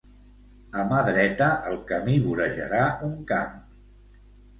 A mà dreta el camí vorejarà un camp